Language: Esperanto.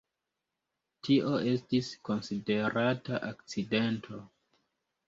Tio estis konsiderata akcidento.